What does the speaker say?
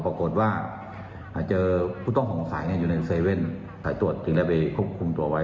ปรากฏว่าเจอผู้ต้องสงสัยอยู่ในเซเว่นสายตรวจจึงได้ไปควบคุมตัวไว้